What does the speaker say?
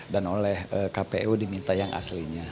dan oleh kpu diminta yang aslinya